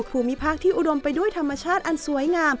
ภูมิภาคที่อุดมไปด้วยธรรมชาติอันสวยงาม